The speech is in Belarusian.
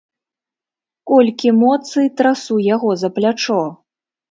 Колькі моцы, трасу яго за плячо.